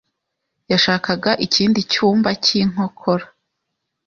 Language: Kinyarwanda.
yashakaga ikindi cyumba cy'inkokora.